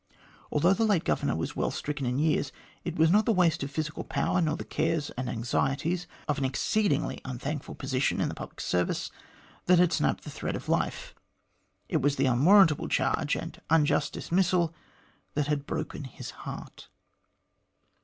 Although the late Governor was well stricken in years, it was not the waste of physical power, nor the cares and anxieties of an exceedingly unthankful position in the public service, that had snapped the thread of life : it was the unwarrantable charge and unjust dismissal that had broken his heart."